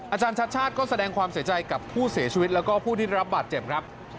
อาจารย์ชัดชาติก็แสดงความเสียใจกับผู้เสียชีวิตแล้วก็ผู้ที่ได้รับบาดเจ็บครับ